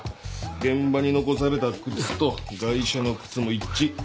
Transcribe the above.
現場に残された靴とガイ者の靴も一致。